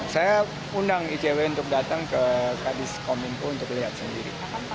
saya undang icw untuk datang ke kadis kominfo untuk lihat sendiri